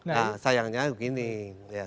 nah saya ingin menambahkan